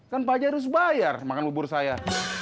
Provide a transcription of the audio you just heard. kan pak haji harus bayar makan bubur saya